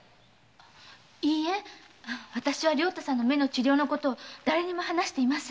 いいえ良太さんの目の治療のことはだれにも話していません。